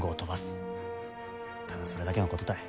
ただそれだけのことたい。